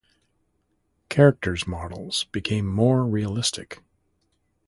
Characters models became more realistic.